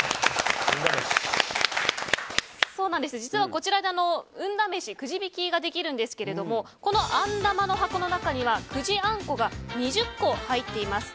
こちらでくじ引きができるんですがこのあん玉の箱の中にはくじあんこが２０個入っています。